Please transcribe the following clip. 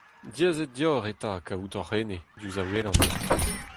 Diaes eo deoc'h eta kaout hoc'h ene, diouzh a welan ?